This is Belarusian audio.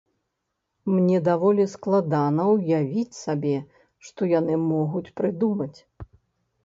Мне даволі складана ўявіць сабе, што яны могуць прыдумаць.